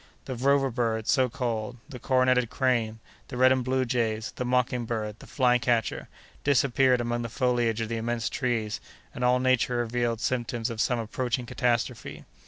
The "rover bird" so called, the coroneted crane, the red and blue jays, the mocking bird, the flycatcher, disappeared among the foliage of the immense trees, and all nature revealed symptoms of some approaching catastrophe.